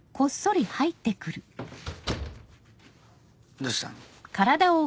どうしたの？